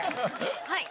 はい！